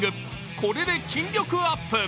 これで筋力アップ。